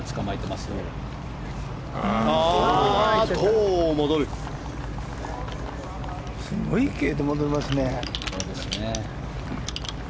すごい勢いで戻りますね。